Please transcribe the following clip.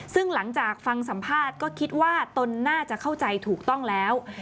ซึ่งหลังจากฟังสัมภาษณ์ก็คิดว่าตนน่าจะเข้าใจถูกต้องแล้ว